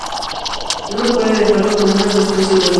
Uno puede dejarlo como una cuestión simbólica.